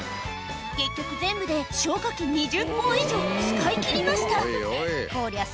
結局全部で消火器２０本以上使い切りましたこりゃ